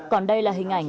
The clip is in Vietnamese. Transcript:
còn đây là hình ảnh